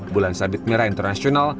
bulan sabit merah internasional